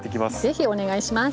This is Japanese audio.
ぜひお願いします！